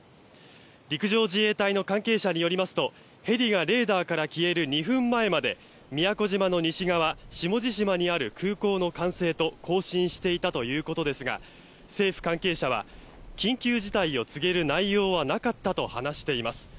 陸上自衛隊の関係者によりますとヘリがレーダーから消える２分前まで宮古島の西側下地島にある空港の管制と交信していたということですが政府関係者は緊急事態を告げる内容はなかったと話しています。